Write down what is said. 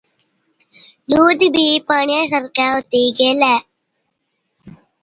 ڏُوڌ بِي پاڻِيان سِرکَي هُتِي گيلَي هِلَي۔